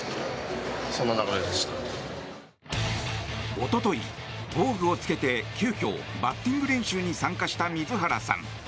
一昨日、防具を着けて急きょバッティング練習に参加した水原さん。